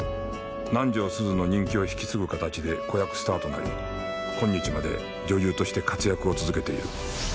南条すずの人気を引き継ぐ形で子役スターとなり今日まで女優として活躍を続けている。